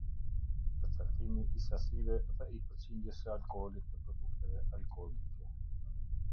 Përcaktimi i sasive dhe i përqindjes së alkoolit të produkteve alkoolike.